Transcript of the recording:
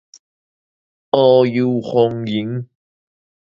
阿諛逢迎